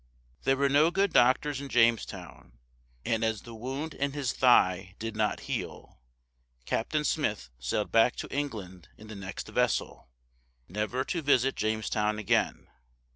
There were no good doctors in Jamestown, and as the wound in his thigh did not heal, Captain Smith sailed back to England in the next vessel, never to visit Jamestown again.